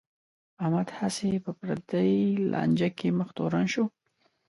احمد هسې په پردی لانجه کې مخ تورن شو.